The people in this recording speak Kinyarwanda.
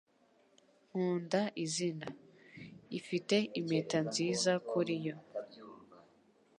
Nkunda izina . Ifite impeta nziza kuri yo.